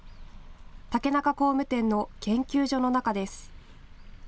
竹中工務店の研究所の中です。